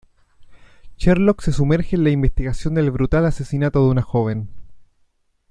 Sherlock se sumerge en la investigación del brutal asesinato de una joven.